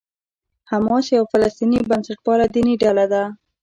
حماس یوه فلسطیني بنسټپاله دیني ډله ده.